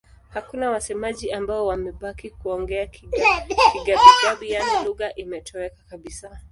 Hakuna wasemaji ambao wamebaki kuongea Kigabi-Gabi, yaani lugha imetoweka kabisa.